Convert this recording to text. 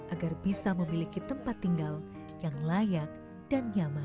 agar bisa memiliki tempat tinggal yang layak dan nyaman